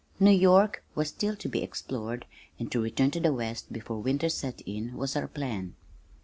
New York was still to be explored and to return to the west before winter set in was our plan.